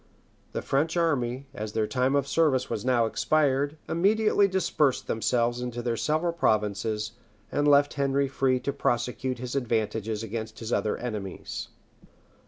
The French army, as their time of service was now expired, immediately dispersed themselves into their several provinces, and left Henry free to prosecute his advantages against his other enemies.